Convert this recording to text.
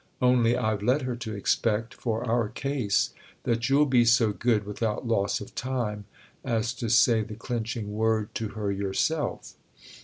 Only I've led her to expect—for our case—that you'll be so good, without loss of time, as to say the clinching word to her yourself."